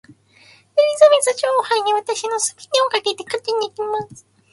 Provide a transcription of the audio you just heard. エリザベス女王杯に私の全てをかけて勝ちにいきます。